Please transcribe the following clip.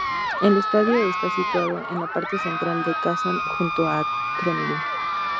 El estadio está situado en la parte central de Kazán, junto al Kremlin.